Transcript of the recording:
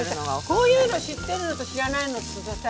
こういうの知ってるのと知らないのとさ